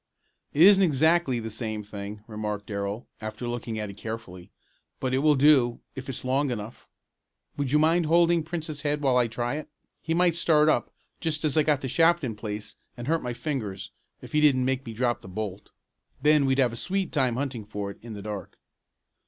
"It isn't exactly the same thing," remarked Darrell, after looking at it carefully, "but it will do, if it's long enough. Would you mind holding Prince's head while I try it? He might start up, just as I got the shaft in place, and hurt my fingers, if he didn't make me drop the bolt. Then we'd have a sweet time hunting for it in the dark."